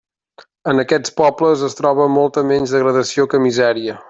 En aquests pobles, es troba molta menys degradació que misèria.